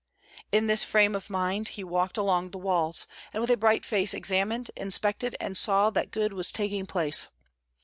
In this frame of mind he walked along the walls, and with a bright face examined, inspected, and saw that good was taking place.